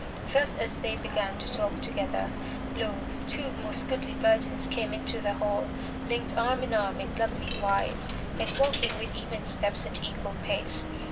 Thus as they began to talk together, lo! two most goodly virgins came into the hall, linked arm in arm in lovely wise, and walking with even steps at equal pace.